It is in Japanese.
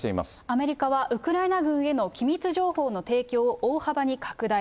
アメリカはウクライナ軍への機密情報の提供を大幅に拡大。